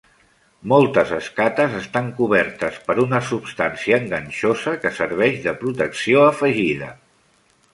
Moltes escates estan cobertes per una substància enganxosa que serveix de protecció afegida.